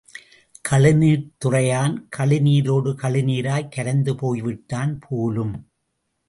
கழுநீர்த் துறையான் கழுநீரோடு கழுநீராய் கரைந்து போய்விட்டான் போலும்!